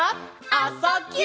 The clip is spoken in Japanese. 「あ・そ・ぎゅ」